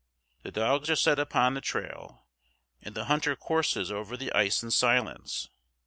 The dogs are set upon the trail, and the hunter courses over the ice in silence.